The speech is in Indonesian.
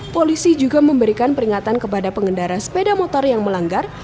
polisi juga memberikan peringatan kepada pengendara sepeda motor yang melanggar